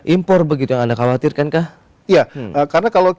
impor begitu yang anda khawatirkan kah